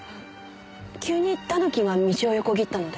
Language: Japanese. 急にタヌキが道を横切ったので。